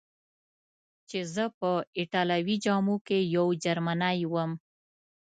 چې زه په ایټالوي جامو کې یو جرمنی ووم.